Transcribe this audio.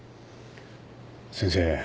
先生。